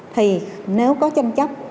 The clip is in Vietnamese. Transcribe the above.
thì nếu có tranh chấp